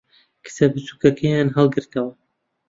کچە بچووکەکەیان ھەڵگرتەوە.